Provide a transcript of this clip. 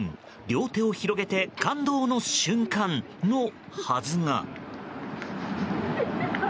両手を広げて感動の瞬間のはずが。